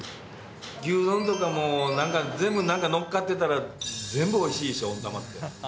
牛丼とかも、なんか全部なんか乗っかってたら全部おいしいでしょ、温玉って。